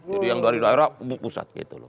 jadi yang dari daerah berpusat gitu loh